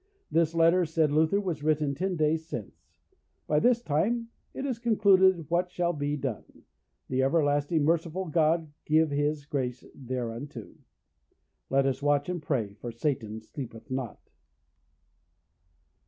This letter, said Luther, was written ten days since; by this time it is concluded what shall be done. The everlasting merciful God give His grace thereunto! Let us watch and pray, for Satan sleepeth not.